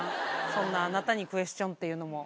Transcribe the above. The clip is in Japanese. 「そんなあなたにクエスチョン」っていうのも。